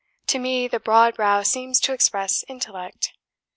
To me the broad brow seems to express intellect.